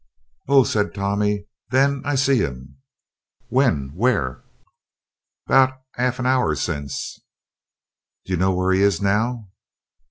"Oh," said Tommy, "then I see 'im." "When where?" "'Bout arf an 'our since." "Do you know where he is now?"